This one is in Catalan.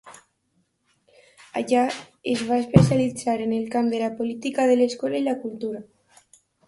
Allà, es va especialitzar en el camp de la política de l'escola i la cultura.